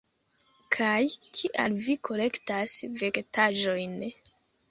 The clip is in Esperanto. Kaj kial vi kolektas vegetaĵojn?